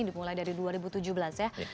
dimulai dari dua ribu tujuh belas ya